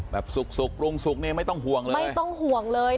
แบบสุกปรุงสุกนี่ไม่ต้องห่วงเลย